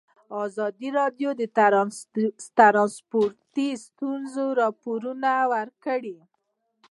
ازادي راډیو د ترانسپورټ ستونزې راپور کړي.